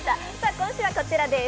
今週はこちらです。